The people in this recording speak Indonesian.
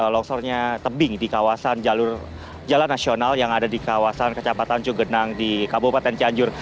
longsornya tebing di kawasan jalan nasional yang ada di kawasan kecamatan cugenang di kabupaten cianjur